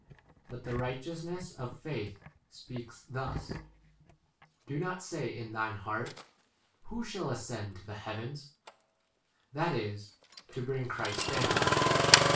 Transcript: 6 But the righteousness of faith speaks thus : Do not say in thine heart, Who shall ascend to the heavens ? That is, to bring 7 Christ down.